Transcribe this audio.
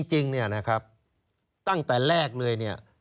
จริงตั้งแต่แรกเลย